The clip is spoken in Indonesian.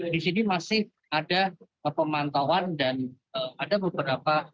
di sini masih ada pemantauan dan ada beberapa